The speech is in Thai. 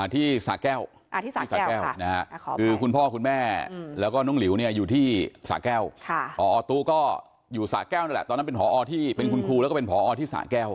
สะแก้วที่สะแก้วคือคุณพ่อคุณแม่แล้วก็น้องหลิวเนี่ยอยู่ที่สาแก้วพอตู้ก็อยู่สะแก้วนั่นแหละตอนนั้นเป็นผอที่เป็นคุณครูแล้วก็เป็นผอที่สะแก้ว